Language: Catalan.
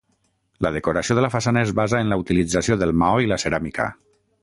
La decoració de la façana es basa en la utilització del maó i la ceràmica.